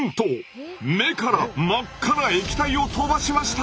目から真っ赤な液体を飛ばしました！